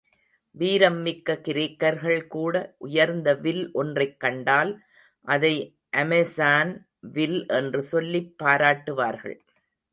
வீரம் மிக்க கிரேக்கர்கள் கூட உயர்ந்த வில் ஒன்றைக் கண்டால், அதை அமெசான் வில் என்று சொல்லிப் பாராட்டுவார்கள்.